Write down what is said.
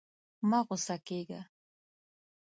مه غوسه کېږه.